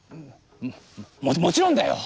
ももちろんだよ！